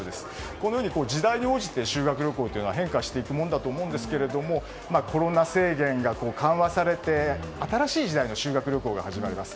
このように時代に応じて修学旅行は変化していくものですがコロナ制限が緩和されて新しい時代の修学旅行が始まります。